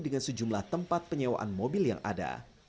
dengan sejumlah tempat penyewaan mobil yang ada